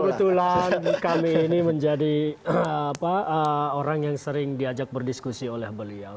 kebetulan kami ini menjadi orang yang sering diajak berdiskusi oleh beliau